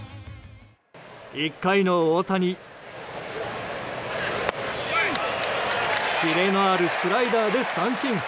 １回の大谷キレのあるスライダーで三振。